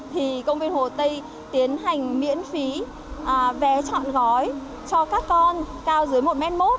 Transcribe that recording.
thì công viên hồ tây tiến hành miễn phí vé chọn gói cho các con cao dưới một mốt